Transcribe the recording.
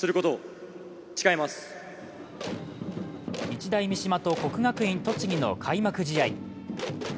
日大三島と国学院栃木の開幕試合。